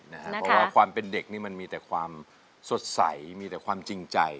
เพราะว่าความเป็นเด็กนี่มันมีแต่ความสดใสมีแต่ความจริงใจ